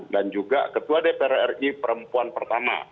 dan juga ketua dpr ri perempuan pertama